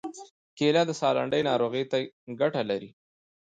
کېله د ساه لنډۍ ناروغۍ ته ګټه لري.